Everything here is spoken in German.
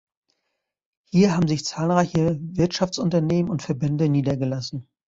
Hier haben sich zahlreiche Wirtschaftsunternehmen und Verbände niedergelassen.